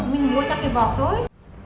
mình mua chắc thì bỏ thôi